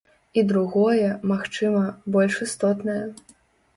І другое, магчыма, больш істотнае.